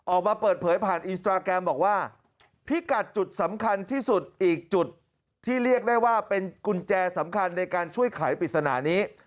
ออกมาเปิดเผยผ่านอินสตราแกรมบอกว่าพิกัดจุดสำคัญที่สุดอีกจุดที่เรียกได้ว่าเป็นกุญแจสำคัญในการช่วยขายปริศนานี้